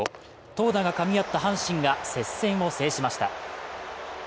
投打がかみ合った阪神が接戦を制しました。